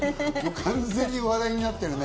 完全に笑いになってるね。